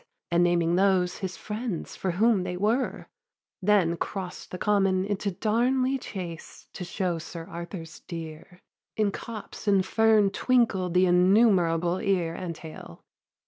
And naming those, his friends, for whom they were: Then crost the common into Darnley chase To show Sir Arthur's deer. In copse and fern Twinkled the innumerable ear and tail.